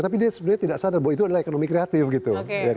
tapi dia sebenarnya tidak sadar bahwa itu adalah ekonomi kreatif gitu